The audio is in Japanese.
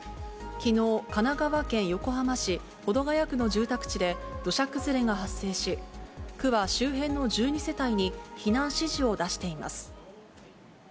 きのう、神奈川県横浜市保土ケ谷区の住宅地で土砂崩れが発生し、区は周辺の１２世帯に避難指示を出しています。